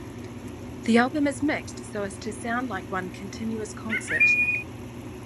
The album is mixed so as to sound like one continuous concert.